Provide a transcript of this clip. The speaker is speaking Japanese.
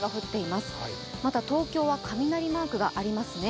また東京は雷マークがありますね。